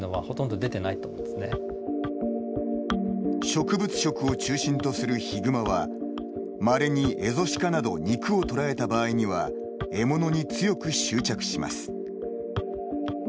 植物食を中心とするヒグマはまれにエゾシカなど肉を捕らえた場合には獲物に強く執着します。